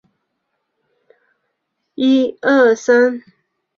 他从伊露维塔之中得知众生的结局。